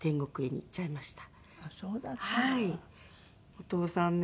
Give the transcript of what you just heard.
お父さんね